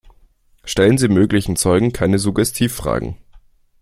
Stellen Sie möglichen Zeugen keine Suggestivfragen.